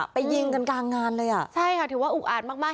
ไปยิงกันกลางงานเลยอ่ะใช่ค่ะถือว่าอุกอาจมากมาก